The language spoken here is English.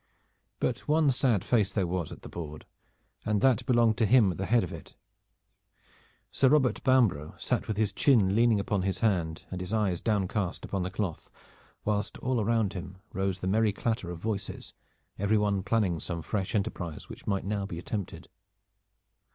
But one sad face there was at the board, and that belonged to him at the head of it. Sir Robert Bambro' sat with his chin leaning upon his hand and his eyes downcast upon the cloth, whilst all round him rose the merry clatter of voices, everyone planning some fresh enterprise which might now be attempted.